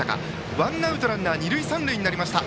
ワンアウトランナー、二塁三塁になりました。